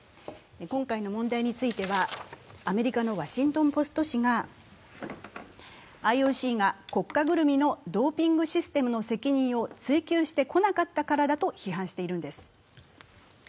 今回の問題についてはアメリカの「ワシントン・ポスト」紙がＩＯＣが国家ぐるみのドーピングシステムの責任を追及してこなかったからだと批判しているんです。